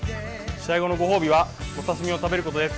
試合後のご褒美はお刺身を食べることです。